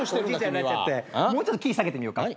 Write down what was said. もうちょっとキー下げてみようか。